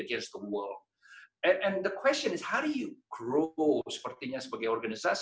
dengan dunia dan pertanyaannya adalah bagaimana anda berkembang sepertinya sebagai organisasi